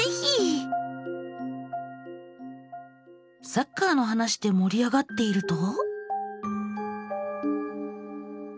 サッカーの話でもり上がっていると。